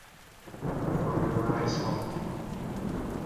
For Your Eyes Only